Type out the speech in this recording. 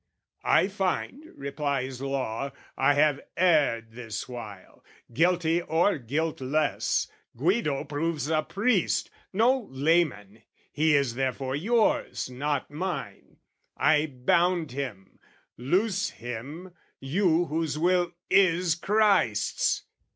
"I find," replies Law, "I have erred this while: "Guilty or guiltless, Guido proves a priest, "No layman: he is therefore yours, not mine: "I bound him: loose him, you whose will is Christ's!"